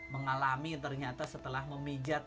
mengalami ternyata setelah memijat